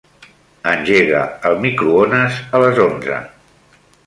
Engega el microones a les onze.